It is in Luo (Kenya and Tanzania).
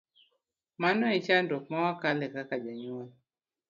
Mano e chandruok ma wakale kaka jonyuol.